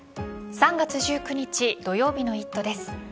３月１９日土曜日の「イット！」です。